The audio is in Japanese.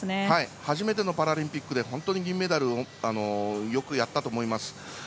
初めてのパラリンピックで本当に銀メダルよくやったと思います。